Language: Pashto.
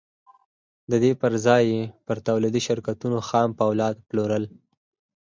د دې پر ځای یې پر تولیدي شرکتونو خام پولاد پلورل